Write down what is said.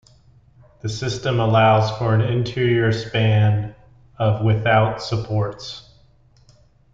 The system allows for an interior span of without supports.